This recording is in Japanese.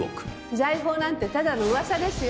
財宝なんてただの噂ですよ。